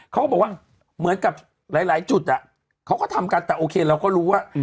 เขาก็บอกว่าเหมือนกับหลายจุดเขาก็ทำกันแต่โอเคเราก็รู้ว่า